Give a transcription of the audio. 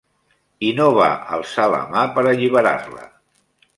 I no va alçar la mà per alliberar-la.